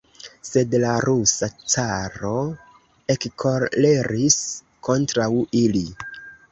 Sed la rusa caro ekkoleris kontraŭ ili.